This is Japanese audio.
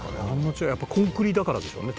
「やっぱコンクリだからでしょうね